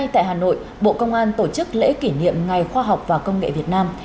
tại hội bộ công an tổ chức lễ kỷ niệm ngày khoa học và công nghệ việt nam